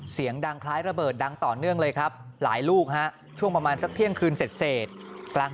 เสียงดังคล้ายระเบิดดังต่อเนื่องเลยครับหลายลูกฮะช่วงประมาณสักเที่ยงคืนเสร็จกลาง